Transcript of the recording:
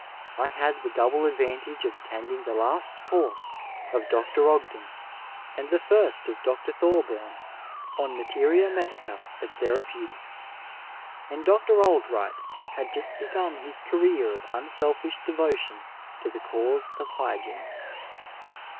I had the double advantage of attending the last course of Dr. Ogden and the first of Dr. Thorbum on materia medica and therapeutics. And Dr. Oldright had just begun his career of uufldfish devotion to the cause of hygiene.